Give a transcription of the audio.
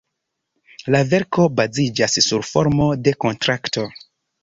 La verko baziĝas sur formo de kontrakto.